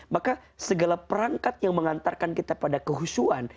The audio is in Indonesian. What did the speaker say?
maka segala perangkat yang mengantarkan kita pada kehusuan